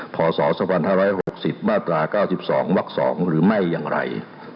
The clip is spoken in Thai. พศ๒๕๖๐มาตรา๙๒วัก๒หรือไม่อย่างไร